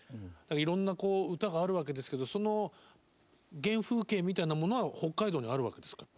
いろんな歌があるわけですけどその原風景みたいなものは北海道にあるわけですか？